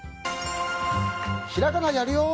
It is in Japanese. ひらがなやるよ！